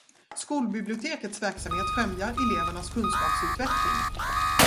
Skolbibliotekets verksamhet främjar elevernas kunskapsutveckling.